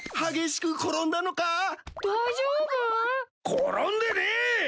転んでねえ！